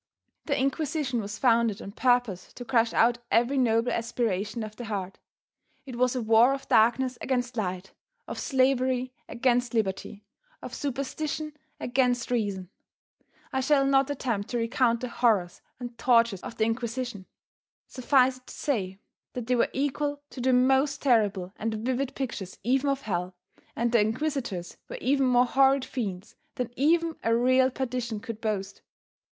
The Inquisition was founded on purpose to crush out every noble aspiration of the heart. It was a war of darkness against light, of slavery against liberty, of superstition against reason. I shall not attempt to recount the horrors and tortures of the Inquisition. Suffice it to say that they were equal to the most terrible and vivid pictures even of Hell, and the Inquisitors were even more horrid fiends than even a real Perdition could boast.